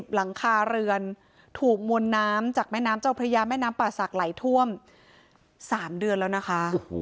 หลังคาเรือนถูกมวลน้ำจากแม่น้ำเจ้าพระยาแม่น้ำป่าศักดิ์ไหลท่วม๓เดือนแล้วนะคะ